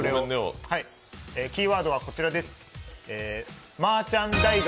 キーワードはこちらです。